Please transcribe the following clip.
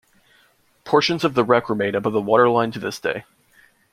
Portions of the wreck remain above the waterline to this day.